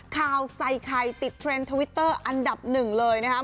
ข่าวใส่ไข่ติดเทรนด์ทวิตเตอร์อันดับหนึ่งเลยนะครับ